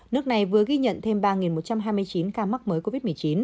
nước này vừa ghi nhận thêm ba một trăm hai mươi chín ca mắc mới covid một mươi chín